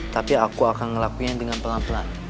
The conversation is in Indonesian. tapi aku akan ngelakunya dengan pelan pelan